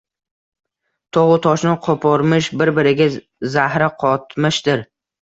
Togʻu toshni qoʻpormish, bir-biriga zahri qotmishdir